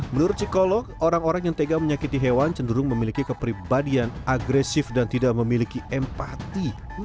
menurut psikolog orang orang yang tega menyakiti hewan cenderung memiliki kepribadian agresif dan tidak memiliki empati